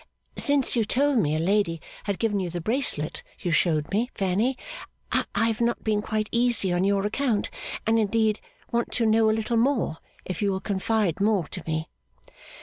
'Since you told me a lady had given you the bracelet you showed me, Fanny, I have not been quite easy on your account, and indeed want to know a little more if you will confide more to me.